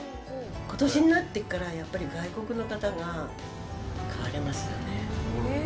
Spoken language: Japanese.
ことしになってから、やっぱり外国の方が買われますよね。